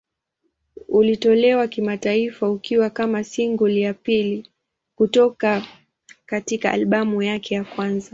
Ulitolewa kimataifa ukiwa kama single ya pili kutoka katika albamu yake ya kwanza.